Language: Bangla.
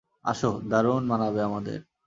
আসো, দারুণ মানাবে আমাদের।